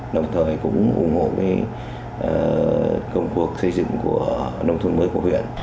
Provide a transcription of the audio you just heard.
đồng thời cũng ủng hộ công cuộc xây dựng của nông thôn mới của huyện